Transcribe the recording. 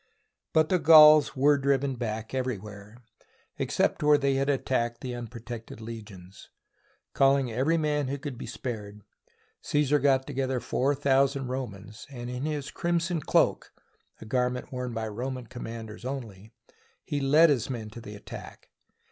But the Gauls were driven back everywhere, ex cept where they had attacked the unprotected le gions. Calling every man who could be spared, Caesar got together four thousand Romans, and in his crimson cloak, a garment worn by the Roman commanders only, he led his men to the attack.